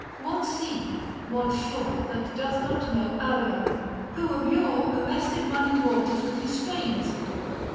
What sea, what shore, That doth not know Arion : who of yore Arrested running waters with his strains